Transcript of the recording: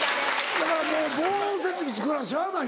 だからもう防音設備作らなしゃあないな。